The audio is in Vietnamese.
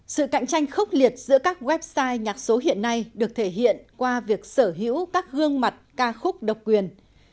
sự cạnh tranh khốc liệt giữa các website nhạc số hiện nay được thể hiện qua việc sở hữu các gương mặt ca khúc độc quyền